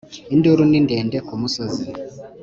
Induru ni ndende ku musozi